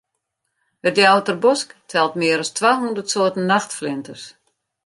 It Ljouwerter Bosk telt mear as twa hûndert soarten nachtflinters.